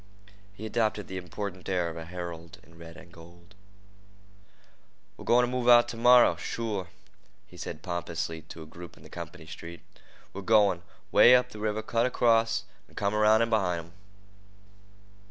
He adopted the important air of a herald in red and gold. "We're goin' t' move t'morrah—sure," he said pompously to a group in the company street. "We're goin' 'way up the river, cut across, an' come around in behint 'em."